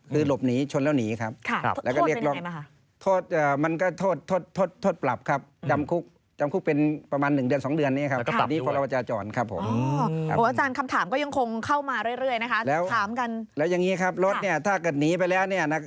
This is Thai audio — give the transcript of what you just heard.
คือเอาสะเย็นไปตรวจสอบกับกรมผลส่งได้เลย